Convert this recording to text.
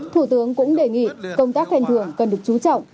thủ tướng cũng đề nghị công tác khen thưởng cần được chú trọng